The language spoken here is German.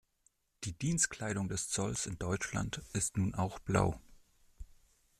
Die Dienstkleidung des Zolls in Deutschland ist nun auch blau.